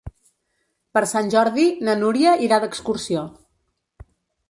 Per Sant Jordi na Núria irà d'excursió.